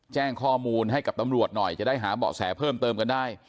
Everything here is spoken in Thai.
แจ้งข้อมูลให้กับตำรวจหน่อยจะได้หาเบาะแสเพิ่มเติมกันได้